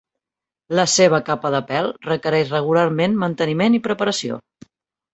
La seva capa de pèl requereix regularment manteniment i preparació.